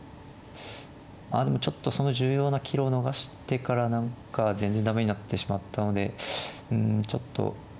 まあでもちょっとその重要な岐路を逃してから何か全然駄目になってしまったのでうんちょっとそうですね